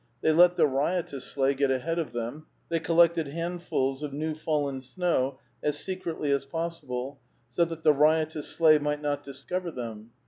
They let the riotous sleigli get ahead of them, they collected handfuls of new fallen snow as secretly as possible, so that the riotous sleigh might not discover them.